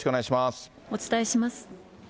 お伝えします。